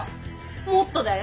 もっとだよ。